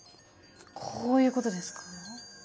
こういうことですか？